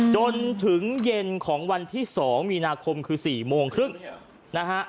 จนถึงเย็นของวันที่๒มีนาคมคือ๔โมงครึ่งนะฮะ